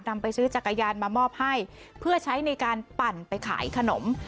ไปซื้อจักรยานมามอบให้เพื่อใช้ในการปั่นไปขายขนม